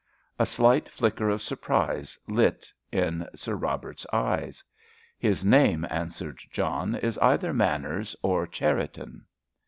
A slight flicker of surprise lit in Sir Robert's eyes. "His name," answered John, "is either Manners, or Cherriton."